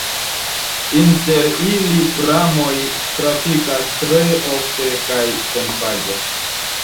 Inter ili pramoj trafikas tre ofte kaj senpage.